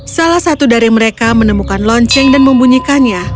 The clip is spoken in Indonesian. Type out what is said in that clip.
salah satu dari mereka menemukan lonceng dan membunyikannya